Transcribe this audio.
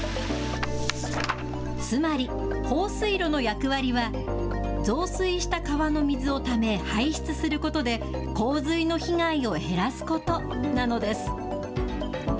つまり、放水路の役割は、増水した川の水をため排出することで、洪水の被害を減らすことなのです。